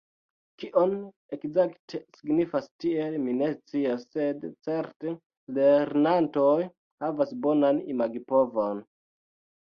Kion ekzakte signifas 'tiel', mi ne scias, sed certe lernantoj havas bonan imagipovon.